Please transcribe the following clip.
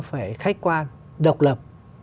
phải khách quan độc lập